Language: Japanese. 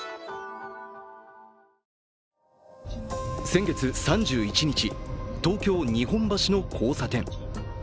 先月３１日、東京・日本橋の交差点。